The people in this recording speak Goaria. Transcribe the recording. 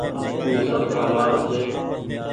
او سپنو مآرو ڇي۔